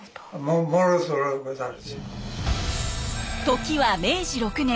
時は明治６年。